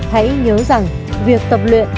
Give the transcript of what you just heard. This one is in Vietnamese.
hãy nhớ rằng việc tập luyện